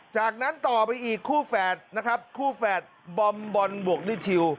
จากนั้นต่อไปอีกคู่แฝดนะครับคู่แฝดบอมบอลบวกนิทิว